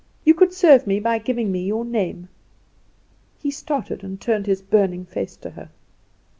You could serve me by giving me your name." He started, and turned his burning face to her.